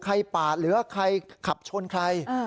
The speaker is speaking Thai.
ใครปาดหรือว่าใครขับชนใคร